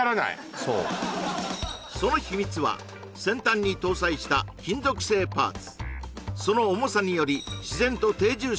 その秘密は先端に搭載した金属製パーツ